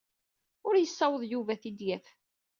Ur yessaweḍ Yuba ad t-id-yaf.